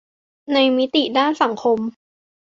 ในมิติด้านสังคม